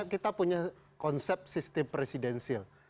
kita punya konsep sistem presidensil